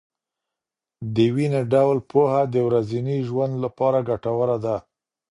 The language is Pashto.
دویني ډول پوهه د ورځني ژوند لپاره ګټوره ده.